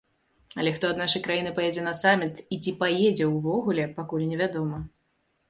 Але хто ад нашай краіны паедзе на саміт і ці паедзе ўвогуле, пакуль невядома.